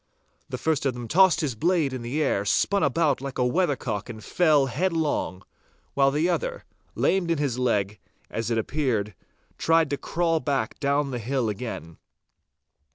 The first of them tossed his blade in the air, spun about like a weathercock and fell headlong, while the other, lamed in his leg, as it appeared, tried to crawl back down the hill again.